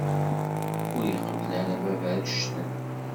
Ur iqebbel ara baba annect-en.